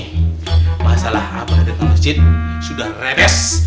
eh ini masalah abang dengan masjid sudah rebes